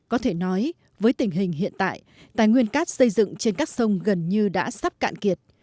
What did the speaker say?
có thể nói với tình hình hiện tại tài nguyên cát xây dựng trên các sông gần như đã sắp cạn kiệt